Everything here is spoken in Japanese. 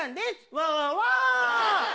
ワワワワ。